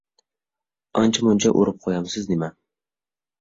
ئانچە-مۇنچە ئۇرۇپ قويامسىز نېمە؟